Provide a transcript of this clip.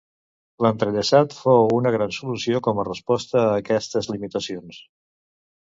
L'entrellaçat fou una gran solució com a resposta a aquestes limitacions.